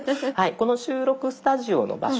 この収録スタジオの場所